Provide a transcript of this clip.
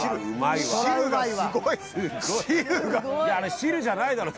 いやあれ汁じゃないだろ。